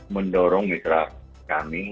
mendorong mitra kami